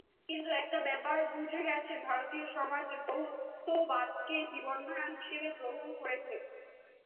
কিন্তু একটা ব্যাপার বুঝে গেছেন, ভারতীয় সমাজ বহুত্ববাদকে জীবনধারা হিসেবে গ্রহণ করেছে।